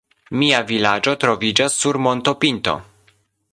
Mia vilaĝo troviĝas sur montopinto.